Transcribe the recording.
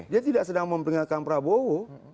dia tidak sedang memperingatkan prabowo